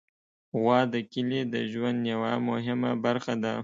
غوا د کلي د ژوند یوه مهمه برخه ده.